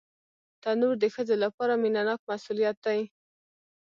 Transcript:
تنور د ښځو لپاره مینهناک مسؤلیت دی